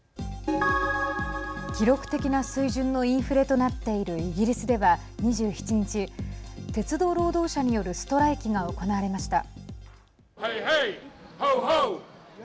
記録的な水準のインフレとなっているイギリスでは２７日鉄道労働者によるストライキが行われました。